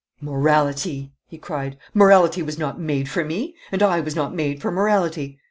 'Morality!' he cried, 'morality was not made for me, and I was not made for morality.